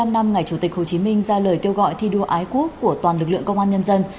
bảy mươi năm năm ngày chủ tịch hồ chí minh ra lời kêu gọi thi đua ái quốc của toàn lực lượng công an nhân dân